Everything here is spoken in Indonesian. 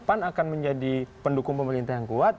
pan akan menjadi pendukung pemerintah yang kuat